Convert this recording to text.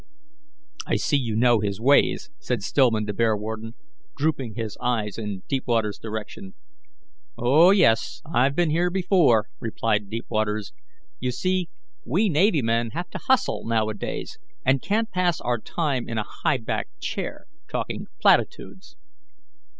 "I see you know his ways," said Stillman to Bearwarden, drooping his eyes in Deepwaters's direction. "Oh, yes, I've been here before," replied Deepwaters. "You see, we navy men have to hustle now a days, and can't pass our time in a high backed chair, talking platitudes."